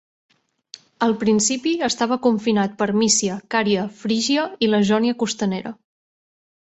Al principi estava confinat per Mísia, Caria, Frígia i la Jònia costanera.